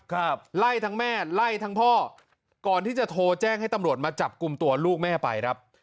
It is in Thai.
ครับไล่ทั้งแม่ไล่ทั้งพ่อก่อนที่จะโทรแจ้งให้ตำรวจมาจับกลุ่มตัวลูกแม่ไปครับ